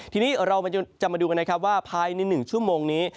ทีนี้เราจะมาดูกันนะครับว่าภายใน๑ชั่วโมงนี้